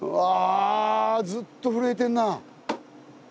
ずっと震えてるな。